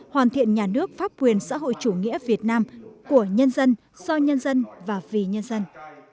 hoàn thiện nhà nước pháp quyền xã hội chủ nghĩa việt nam của nhân dân do nhân dân và vì nhân dân